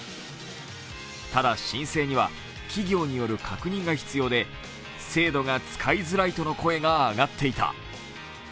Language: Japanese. ただ、申請には企業による確認が必要で、制度が使いづらいとの声が上がっていた。